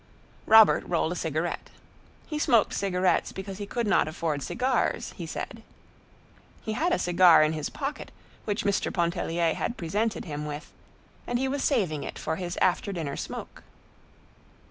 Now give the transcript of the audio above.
Robert rolled a cigarette. He smoked cigarettes because he could not afford cigars, he said. He had a cigar in his pocket which Mr. Pontellier had presented him with, and he was saving it for his after dinner smoke.